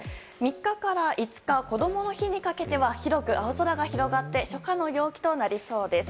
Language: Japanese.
３日から５日こどもの日にかけては広く青空が広がって初夏の陽気となりそうです。